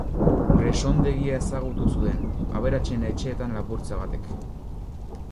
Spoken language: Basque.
Presondegia ezagutu zuen, aberatsen etxeetan lapurtzeagatik.